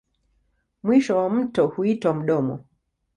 Mwisho wa mto huitwa mdomo.